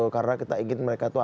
karena kita ingin mereka itu